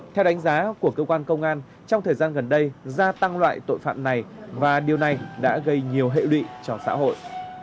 theo đánh giá của cơ quan công an trong thời gian gần đây gia tăng loại tội phạm này và điều này đã gây nhiều hệ lụy cho xã hội